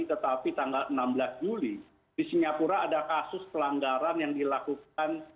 tetapi tanggal enam belas juli di singapura ada kasus pelanggaran yang dilakukan